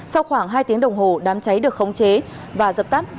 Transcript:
sau khoảng hai tiếng đồng hồ đám cháy được khống chế và dập tắt